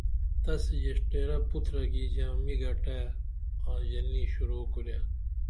تس ژیڜٹیرہ پُترہ کی ژامی گٹائی آں ژنی شروع کُرے